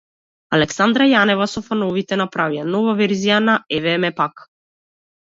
Александра Јанева со фановите направија нова верзија на „Еве ме пак“